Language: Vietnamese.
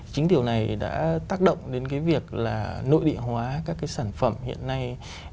chính điều này đã tác động đến cái việc là nội địa hóa các cái sản phẩm hiện nay